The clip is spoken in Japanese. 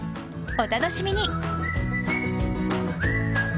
お楽しみに。